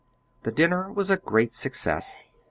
The dinner was a great success.